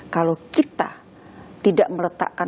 kalau kita tidak meletakkan